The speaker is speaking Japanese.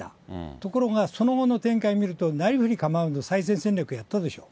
ところが、その後の展開見ると、なりふり構わず再選戦略やったでしょ。